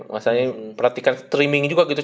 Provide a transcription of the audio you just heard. maksudnya ini perhatikan streaming juga gitu